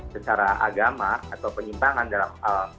secara agama atau penyimpangan dalam